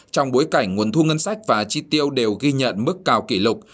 trong bối cảnh nguồn thu ngân sách và chi tiêu đều ghi nhận mức cao kỷ lục